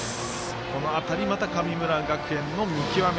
このあたりまた神村学園の見極め。